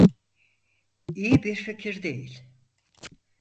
İyi bir fikir değil.